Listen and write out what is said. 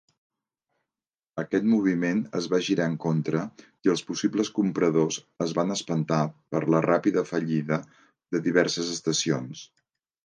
Aquest moviment es va girar en contra i els possibles compradors es van espantar per la ràpida fallida de diverses estacions.